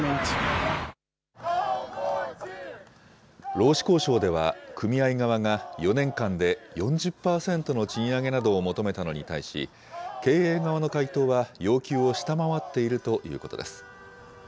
労使交渉では、組合側が４年間で４０％の賃上げなどを求めたのに対し、経営側の回答は要求を下回っているということです。